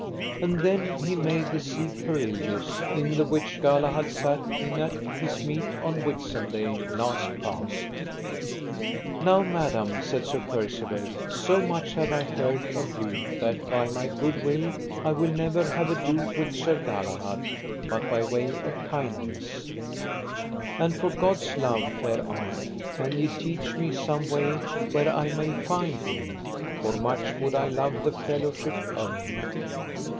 And then he made the Siege Perilous, in the which Galahad sat in at his meat on Whitsunday last past. Now, madam, said Sir Percivale, so much have I heard of you that by my good will I will never have ado with Sir Galahad but by way of kindness; and for God's love, fair aunt, can ye teach me some way where I may find him? for much would I love the fellowship of him.